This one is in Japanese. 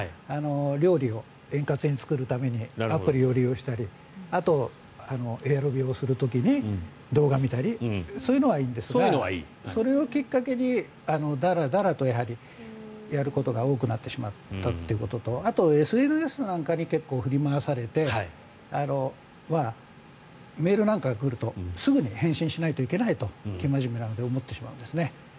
料理を円滑に作るためにアプリを利用したりあと、エアロビをする時に動画を見たりそういうのはいいんですがそれをきっかけにだらだらとやはりやることが多くなってしまったということとあと、ＳＮＳなんかに結構振り回されてメールなんかが来るとすぐに返信しないといけないと生真面目なので思ってしまうんですね。